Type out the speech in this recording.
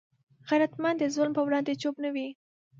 غیرتمند د ظلم پر وړاندې چوپ نه وي